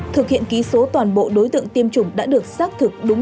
thực hiện ký số toàn bộ đối tượng tiêm chủng đã được xác thực đúng